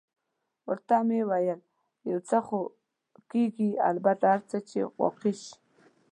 ورته مې وویل: یو څه خو کېږي، البته هر څه چې واقع شي.